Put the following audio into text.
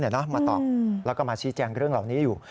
มาตอบแล้วก็มาชี้แจงเรื่องเหล่านี้อยู่